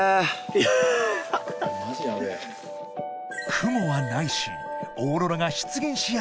［雲はないしオーロラが出現しやすい状況］